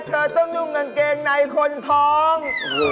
เธอต้องนุ่งกางเกงในคนท้อง